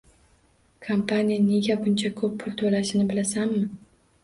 Kompaniya nega buncha ko`p pul to`lashini bilasanmi